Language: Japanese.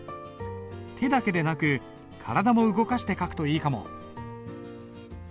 手だけでなく体も動かして書くといいかも。